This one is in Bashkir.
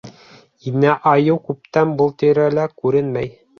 Инә айыу күптән был тирәлә күренмәй.